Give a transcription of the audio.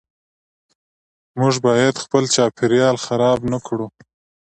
موږ باید خپل چاپیریال خراب نکړو .